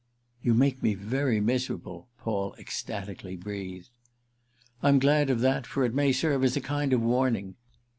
"You make me very miserable," Paul ecstatically breathed. "I'm glad of that, for it may serve as a kind of warning.